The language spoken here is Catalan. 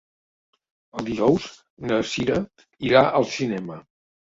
Dijous na Cira irà al cinema.